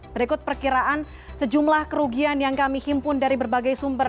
berikut perkiraan sejumlah kerugian yang kami himpun dari berbagai sumber